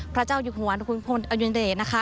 พระเจ้าอยุธวรรณคุณพลอดุญเดนะคะ